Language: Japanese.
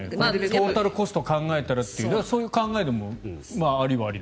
トータルコストを考えたらっていうそういう考えでもありはあり。